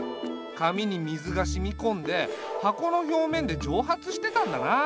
紙に水が染み込んで箱の表面で蒸発してたんだな。